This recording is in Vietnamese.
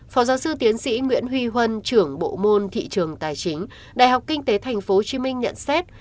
phó giáo sư tiến sĩ nguyễn huy huân trưởng bộ môn thị trường tài chính đại học kinh tế tp hcm nhận xét